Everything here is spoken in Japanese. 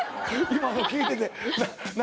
今の聞いてて。